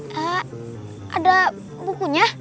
eee ada bukunya